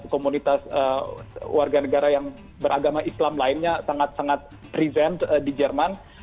komunitas warga negara yang beragama islam lainnya sangat sangat prevent di jerman